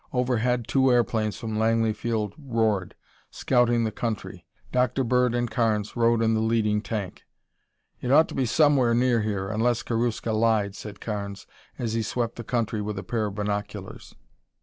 Overhead two airplanes from Langley Field soared, scouting the country. Dr. Bird and Carnes rode in the leading tank. "It ought to be somewhere near here, unless Karuska lied," said Carnes as he swept the country with a pair of binoculars.